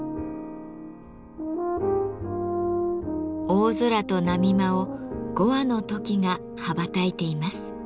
大空と波間を５羽のトキが羽ばたいています。